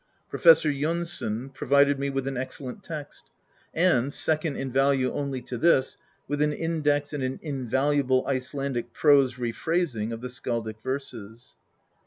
Professor Jonsson pro vided me with an excellent text; and, second in value only to this, with an index and an invaluable Icelandic prose re phrasing of the skaldic verses.